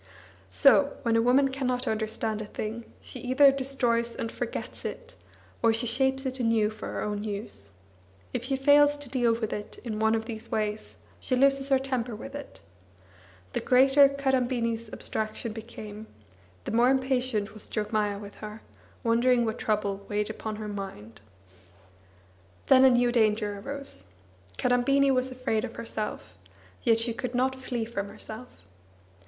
So, when a woman cannot understand a thing, she either destroys and forgets it, or she shapes it anew for her own use; if she fails to deal with it in one of these ways, she loses her temper with it. The greater Kadambini's abstraction became, the more impatient was Jogmaya with her, wondering what trouble weighed upon her mind. Then a new danger arose. Kadambini was afraid of herself; yet she could not flee from herself.